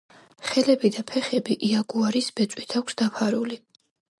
ხელები და ფეხები იაგუარის ბეწვით აქვს დაფარული.